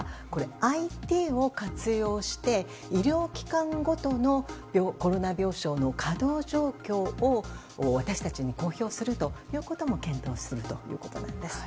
ＩＴを活用して医療機関ごとのコロナ病床の稼働状況を私たちの公表するということも検討するということです。